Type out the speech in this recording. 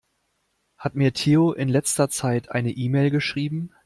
Hat mir Theo in letzter Zeit eine E-Mail geschrieben?